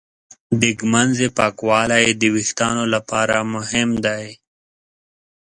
د ږمنځې پاکوالی د وېښتانو لپاره مهم دی.